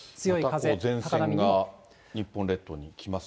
あと前線が日本列島に来ます